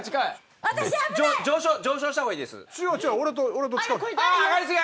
上昇した方がいいです。